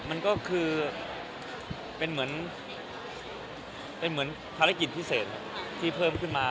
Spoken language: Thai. มันก็คือเป็นเหมือนธารกิจพิเศษที่เพิ่มขึ้นมา